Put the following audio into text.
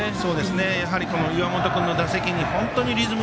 やはり、岩本君の打席に本当にリズム